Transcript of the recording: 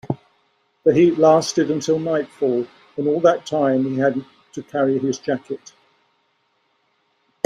The heat lasted until nightfall, and all that time he had to carry his jacket.